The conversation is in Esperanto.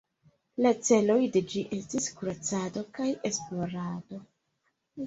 La celoj de ĝi estis kuracado kaj esplorado.